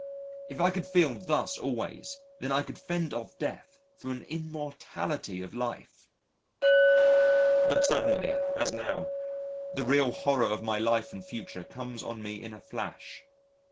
If I could feel thus always, then I could fend off Death for an immortality of life. But suddenly, as now, the real horror of my life and future comes on me in a flash.